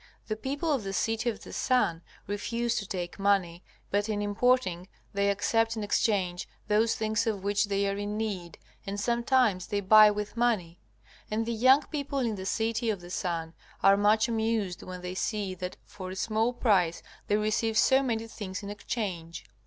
The people of the City of the Sun refuse to take money, but in importing they accept in exchange those things of which they are in need, and sometimes they buy with money; and the young people in the City of the Sun are much amused when they see that for a small price they receive so many things in exchange.